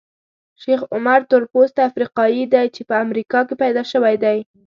شیخ عمر تورپوستی افریقایي دی چې په امریکا کې پیدا شوی دی.